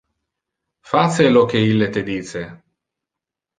Face lo que ille te dice.